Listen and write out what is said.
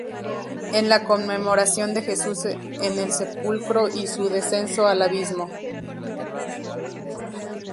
Es la conmemoración de Jesús en el sepulcro y su Descenso al Abismo.